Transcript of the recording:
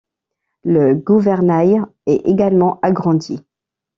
Le gouvernail est également agrandi.